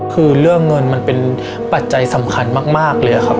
คือเรื่องเงินมันเป็นปัจจัยสำคัญมากเลยครับ